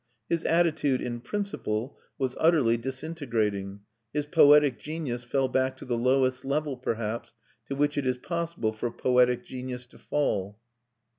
His attitude, in principle, was utterly disintegrating; his poetic genius fell back to the lowest level, perhaps, to which it is possible for poetic genius to fall.